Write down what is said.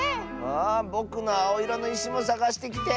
あぼくのあおいろのいしもさがしてきて。